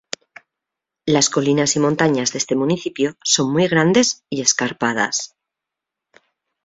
Las colinas y montañas de este municipio son muy grandes y escarpadas.